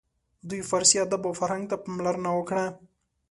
دوی فارسي ادب او فرهنګ ته پاملرنه وکړه.